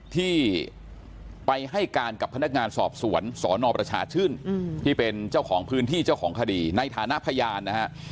ที่ไปให้การกับพนักงานสอบสวนสนประชาชื่นที่เป็นเจ้าของพื้นที่เจ้าของคดีในฐานะพยานนะฮะ